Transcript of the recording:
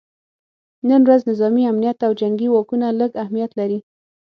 نن ورځ نظامي امنیت او جنګي واکونه لږ اهمیت لري